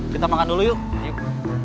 kita makan dulu yuk